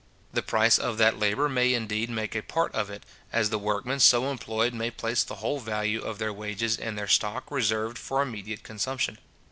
The price of that labour may indeed make a part of it; as the workmen so employed may place the whole value of their wages in their stock reserved for immediate consumption.